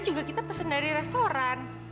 juga kita pesen dari restoran